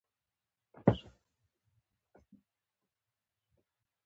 احمد د سارا په سترګو کې له کالو سره ور ننوت.